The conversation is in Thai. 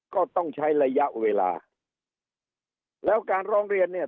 ก็ต้องใช้ระยะเวลาแล้วการร้องเรียนเนี่ย